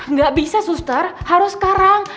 nggak bisa suster harus sekarang